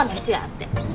って。